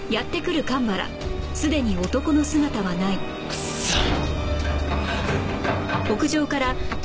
クソッ。